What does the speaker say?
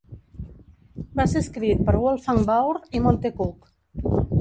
Va ser escrit per Wolfgang Baur i Monte Cook.